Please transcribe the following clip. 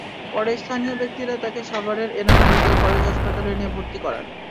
পরে স্থানীয় ব্যক্তিরা তাঁকে সাভারের এনাম মেডিকেল কলেজ হাসপাতালে নিয়ে ভর্তি করান।